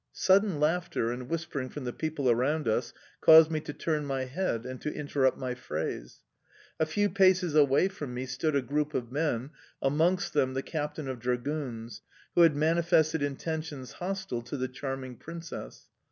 Sudden laughter and whispering from the people around us caused me to turn my head and to interrupt my phrase. A few paces away from me stood a group of men, amongst them the captain of dragoons, who had manifested intentions hostile to the charming Princess.